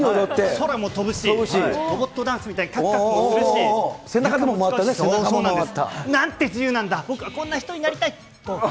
空も飛ぶし、ロボットダンスみたいにかくかくとするし、なんて自由なんだ、僕はこんな人になりたいと。